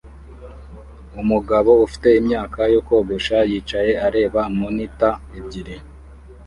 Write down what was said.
Umugabo ufite imyaka yo kogosha yicaye areba monitor ebyiri